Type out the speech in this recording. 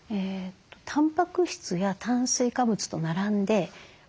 たんぱく質や炭水化物と並んであぶら。